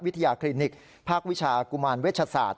วิทยาคลินิกภาควิชากุมวัลเวชศาสตร์